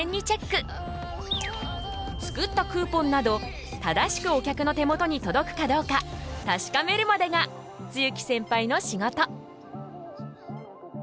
作ったクーポンなど正しくお客の手元に届くかどうか確かめるまでが露木センパイの仕事。